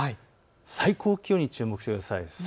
最高気温に注目をしてください。